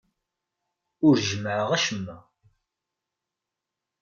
Ur jemmɛeɣ acemma.